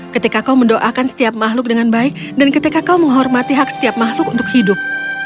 ketika kau mendoakan setiap makhluk dengan baik dan ketika kau menghormati hak setiap makhluk untuk hidup